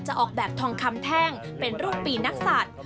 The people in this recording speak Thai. ออกแบบทองคำแท่งเป็นรูปปีนักศัตริย์